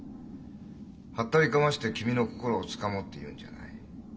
ハッタリかまして君の心をつかもうっていうんじゃない。